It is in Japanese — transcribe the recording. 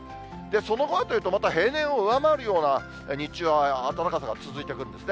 その後はというと、また平年を上回るような日中は、暖かさが続いていくんですね。